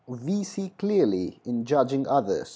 We see clearly in judging others.